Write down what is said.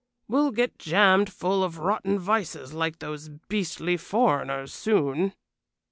We'll get jammed full of rotten vices like those beastly foreigners soon."